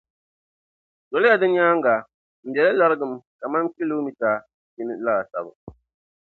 Doliya di nyaaŋa m-be li larigim kaman kilomita yini laasabu.